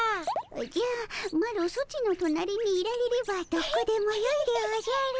おじゃマロソチの隣にいられればどこでもよいでおじゃる。